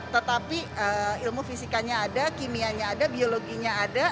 tetapi ilmu fisikanya ada kimianya ada biologinya ada